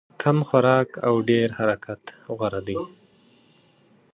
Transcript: کم خوراک او ډېر حرکت غوره دی.